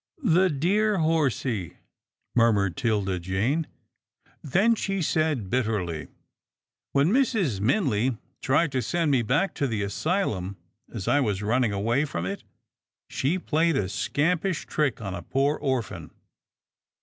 " The dear horsie," murmured 'Tilda Jane; then she said bitterly, " When Mrs. Minley tried to send me back to the asylum, as I was running away from it, she played a scampish trick on a poor or phan."